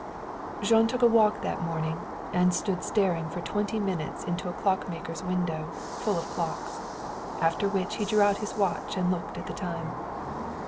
Jean took a walk that morning, and stood staring for twenty minutes into a clock maker's window, full of clocks. After which he drew out his watch and looked at the time!